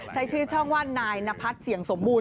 ใช่ทิวช่องว่านายนะพัดเสียงสมบูรณ์